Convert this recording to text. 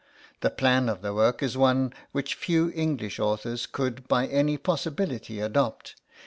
The plan of the work is one which few English authors could by any possibility adopt.